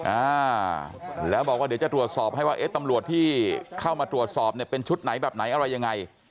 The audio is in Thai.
อ่าแล้วบอกว่าเดี๋ยวจะตรวจสอบให้ว่าเอ๊ะตำรวจที่เข้ามาตรวจสอบเนี่ยเป็นชุดไหนแบบไหนอะไรยังไง